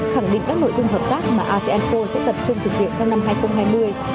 khẳng định các nội dung hợp tác mà aseanpo sẽ tập trung thực hiện trong năm hai nghìn hai mươi